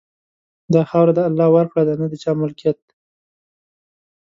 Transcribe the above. دا خاوره د الله ورکړه ده، نه د چا ملکیت.